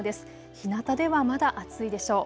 ひなたではまだ暑いでしょう。